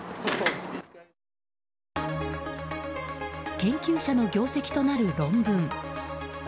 研究者の業績となる論文。